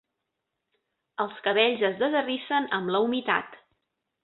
Els cabells es desarrissen amb la humitat.